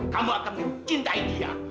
kamu akan mencintai dia